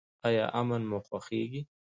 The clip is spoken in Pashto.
ایا امن مو خوښیږي؟